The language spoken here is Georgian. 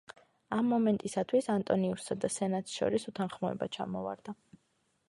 ამ მომენტისათვის, ანტონიუსსა და სენატს შორის უთანხმოება ჩამოვარდა.